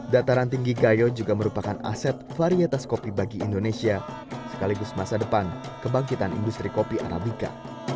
dataran tinggi gayo juga merupakan aset varietas kopi bagi indonesia sekaligus masa depan kebangkitan industri kopi arabica